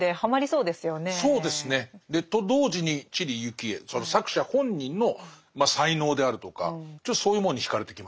そうですね。と同時に知里幸恵その作者本人の才能であるとかちょっとそういうものに惹かれてきましたね。